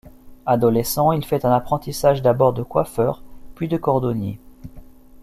Adolescent, il fait un apprentissage d'abord de coiffeur, puis de cordonnier.